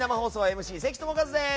ＭＣ関智一です。